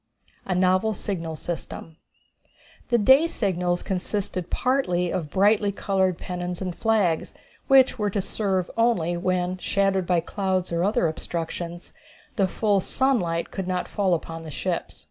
A Novel Signal System. The day signals consisted partly of brightly colored pennons and flags, which were to serve only when, shadowed by clouds or other obstructions, the full sunlight should not fall upon the ships.